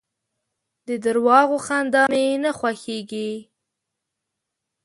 د درواغو خندا مي نه خوښېږي .